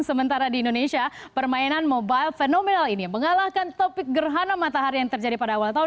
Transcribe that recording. sementara di indonesia permainan mobile fenomenal ini mengalahkan topik gerhana matahari yang terjadi pada awal tahun dua ribu